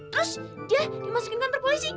terus dia dimasukin kantor polisi